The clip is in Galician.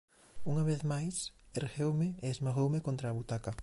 Unha vez máis, ergueume e esmagoume contra a butaca.